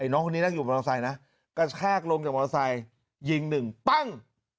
น้องคนนี้นั่งอยู่มอเตอร์ไซค์นะกระชากลงจากมอเตอร์ไซค์ยิงหนึ่งปั้ง